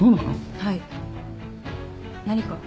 はい。何か？